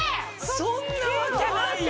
そんなわけないよ。